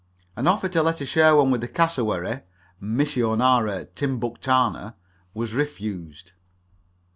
An offer to let her share one with the cassowary missionara timbuctana was refused.